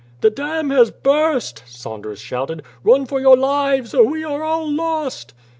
"The dam has burst!" Saunders shouted. "Run for your lives, or we are all lost!"